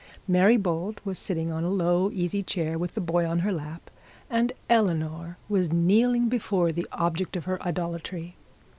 Mary Bold was sitting on a low easy chair, with the boy in her lap, and Eleanor was kneeling before the object of her idolatry.